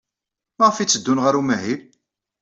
Maɣef ay tteddun ɣer umahil?